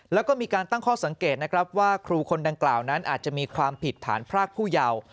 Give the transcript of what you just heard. แล้วก็มีการตั้งข้อสังเกตนะครับว่าครูคนดังกล่าวนั้นอาจจะมีความผิดฐานพรากผู้เยาว์